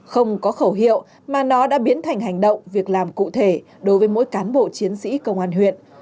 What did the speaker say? không có khẩu hiệu mà nó đã biến thành hành động việc làm cụ thể đối với mỗi cán bộ chiến sĩ công an huyện